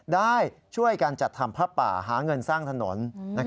ได้ช่วยกันจัดทำผ้าป่าหาเงินสร้างถนน